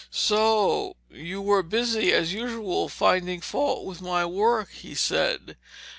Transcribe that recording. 'So you were busy as usual finding fault with my work,' he said.